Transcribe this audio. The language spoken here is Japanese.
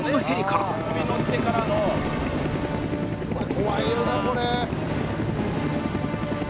「怖いよなこれ」